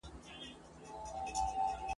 او یواز اوسیږي په تیاره توره نړۍ کي !.